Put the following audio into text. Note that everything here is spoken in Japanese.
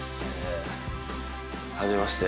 はじめまして。